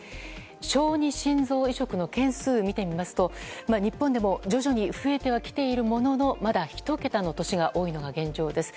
小児心臓移植の件数を見てみますと日本でも徐々に増えてはきているもののまだ１桁の年が多いのが現状です。